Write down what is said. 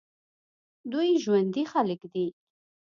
دوی ژوندي خلک دي.